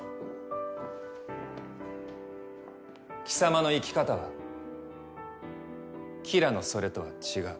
貴様の生き方はキラのそれとは違う。